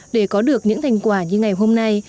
để có được những thành quả như ngày hôm nay